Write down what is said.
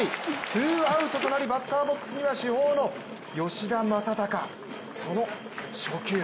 ツーアウトとなり、バッターボックスには主砲の吉田正尚、その初球。